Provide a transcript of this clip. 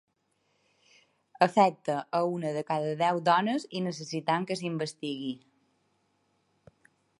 Afecta a u de cada deu dones i necessitem que s’investigui.